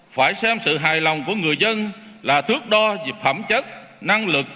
phải xem sự hài lòng của người dân là thước đo về phẩm chất năng lực